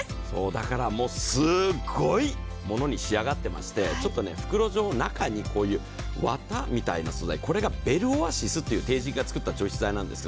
だから、すっごいものに仕上がっていまして、袋状の中に、こういう綿みたいな素材、これがベルオアシスというＴＥＩＪＩＮが作った除湿剤なんです。